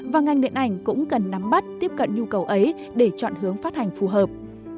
và ngành điện ảnh cũng cần nắm bắt tiếp cận nhu cầu ấy để chọn hướng phát hành phù hợp